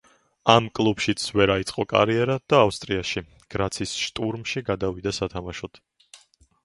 ამ კლუბშიც ვერ აეწყო კარიერა და ავსტრიაში, გრაცის შტურმში გადავიდა სათამაშოდ.